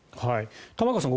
玉川さん